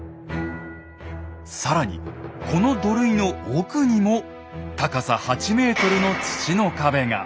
更にこの土塁の奥にも高さ８ｍの土の壁が！